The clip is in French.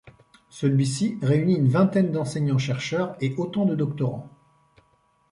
Celui-ci réunit une vingtaine d'enseignants-chercheurs et autant de doctorants.